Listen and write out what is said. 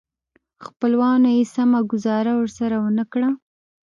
خپلوانو یې سمه ګوزاره ورسره ونه کړه.